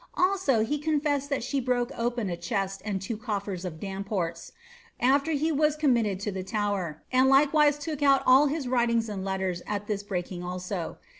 Also he eonfeaed that she broke open a chest and two cofiers of Damport's, after be mi committed to the Tower, and likewise took out all his writings md letters at this breaking also.